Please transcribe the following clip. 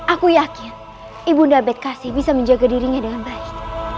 aku yakin ibu ndabet kasi bisa menjaga dirinya dengan baik